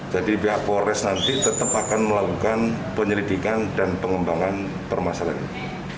jadi pihak polis nanti tetap akan melakukan penyelidikan dan pengembangan permasalahan